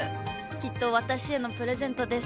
きっと私へのプレゼントです。